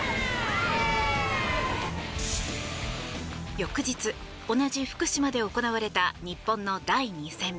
翌日、同じ福島で行われた日本の第２戦。